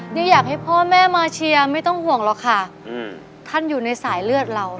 อยากให้พ่อแม่มาเชียร์ไม่ต้องห่วงหรอกค่ะท่านอยู่ในสายเลือดเรา